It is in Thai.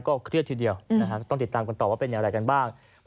ก็เครื่องที่เดียวต้องติดตามกันต่อว่าเป็นอะไรกันบ้าง